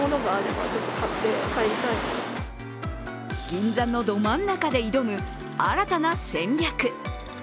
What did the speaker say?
銀座のど真ん中で挑む、新たな戦略。